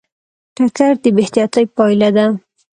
ټکر د بې احتیاطۍ پایله ده.